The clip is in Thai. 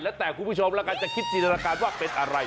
แล้วแต่คุณผู้ชมแล้วกันจะคิดจินตนาการว่าเป็นอะไร